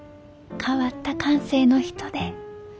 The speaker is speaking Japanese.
変わった感性の人で。